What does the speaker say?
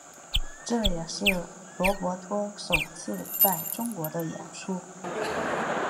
这也是罗伯托首次在中国的演出。